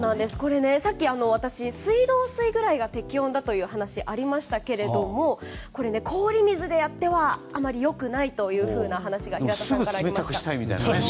さっき、私水道水ぐらいが適温という話をしましたがこれ、氷水でやってはあまり良くないというふうな話が平田さんからありました。